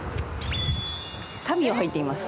足袋を履いています。